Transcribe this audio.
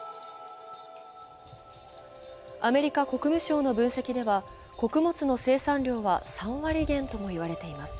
アメリカ国務省の分析では穀物の生産量は３割減ともいわれています。